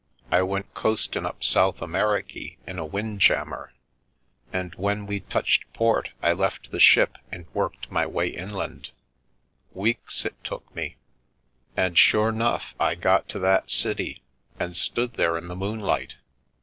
I went coastin' up South Ameriky in a wind jammer, and when we touched port I left the ship and worked my way inland. Weeks it took me. And sure 'nough I got to that city and stood there in the moonlight.